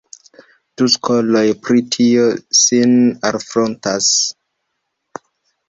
Du skoloj pri tio sin alfrontas.